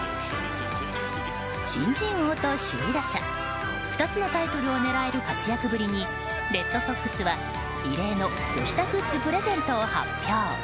新人王と首位打者、２つのタイトルを狙える活躍ぶりにレッドソックスは異例の吉田グッズプレゼントを発表。